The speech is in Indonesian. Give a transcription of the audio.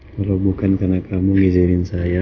kalau bukan karena kamu ngizin saya